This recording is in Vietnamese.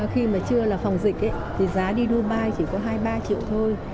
khi mà chưa là phòng dịch thì giá đi dubai chỉ có hai mươi ba triệu thôi